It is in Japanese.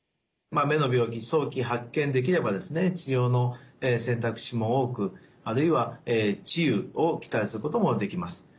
まあ目の病気早期発見できればですね治療の選択肢も多くあるいは治癒を期待することもできます。